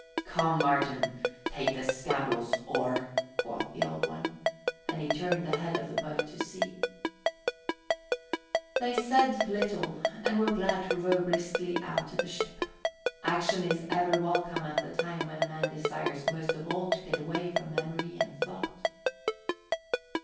"Come, Martin, take the scoundrel's oar," quoth the Old One, and he turned the head of the boat to sea. They said little and were glad to row briskly out to the ship. Action is ever welcome at the time when a man desires most of all to get away from memory and thought.